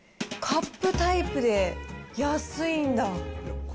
カップタイプで安いんだ。